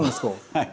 はい。